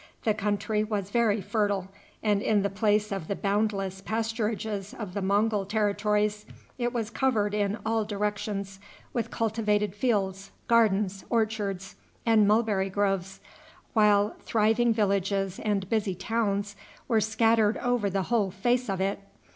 The country was very fertile, and, in the place of the boundless pasturages of the Mongul territories, it was covered in all directions with cultivated fields, gardens, orchards, and mulberry groves, while thriving villages and busy towns were scattered over the whole face of it.